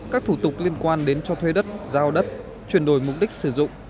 các thủ tục liên quan đến cho thuê đất giao đất chuyển đổi mục đích sử dụng